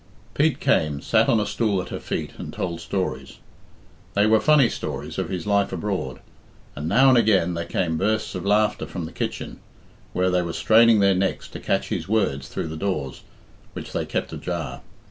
Pete came, sat on a stool at her feet, and told stories. They were funny stories of his life abroad, and now and again there came bursts of laughter from the kitchen, where they were straining their necks to catch his words through the doors, which they kept ajar.